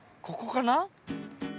ここかな？